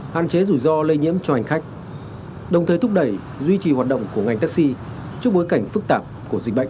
hạn chế rủi ro lây nhiễm cho hành khách đồng thời thúc đẩy duy trì hoạt động của ngành taxi trước bối cảnh phức tạp của dịch bệnh